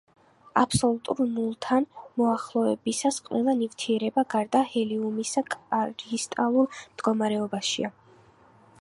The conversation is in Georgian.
აბსოლუტურ ნულთან მიახლოებისას ყველა ნივთიერება, გარდა ჰელიუმისა, კრისტალურ მდგომარეობაშია.